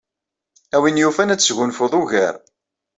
A win yufan ad tesgunfud ugar.